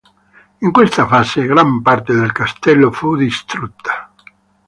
In questa fase, gran parte del castello fu distrutta.